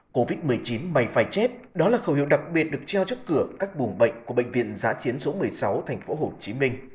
covid một mươi chín may phải chết đó là khẩu hiệu đặc biệt được treo trước cửa các buồng bệnh của bệnh viện giã chiến số một mươi sáu tp hcm